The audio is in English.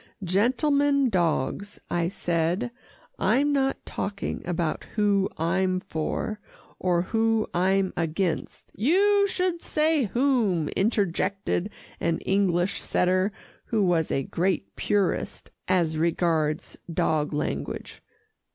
"Gentlemen dogs," I said, "I'm not talking about who I'm for, or who I'm against " "You should say 'whom,'" interjected an English setter who was a great purist as regards dog language.